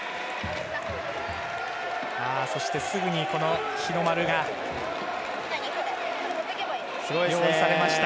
そして、すぐに日の丸が用意されました。